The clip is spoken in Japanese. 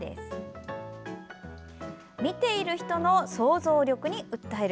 見ている人の想像力に訴える。